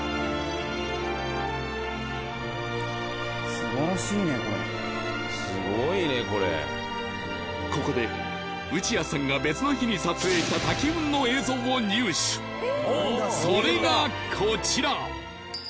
すばらしいねこれすごいねこれここで打矢さんが別の日に撮影した滝雲の映像を入手それがコチラ！